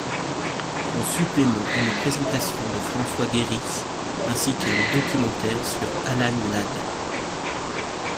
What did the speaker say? En supplément une présentation de François Guérif ainsi qu'un documentaire sur Alan Ladd.